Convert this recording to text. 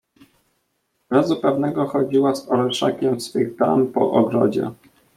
"Razu pewnego chodziła z orszakiem swych dam po ogrodzie."